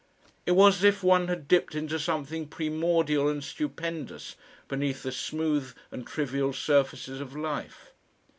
It was as if one had dipped into something primordial and stupendous beneath the smooth and trivial surfaces of life.